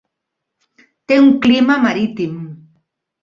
Té un clima marítim.